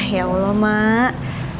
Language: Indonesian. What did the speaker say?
ya allah mak